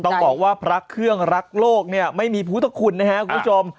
ต้องบอกว่าพระเครื่องรักโลกเนี่ยไม่มีพุทธคุณนะครับคุณผู้ชม